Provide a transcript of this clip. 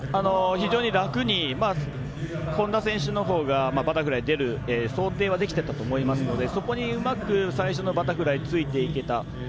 非常に楽に本多選手のほうがバタフライに出る想定はできていたと思いますのでそこにうまく最初のバタフライついていけた。